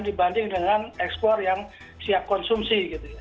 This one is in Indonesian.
dibanding dengan ekspor yang siap konsumsi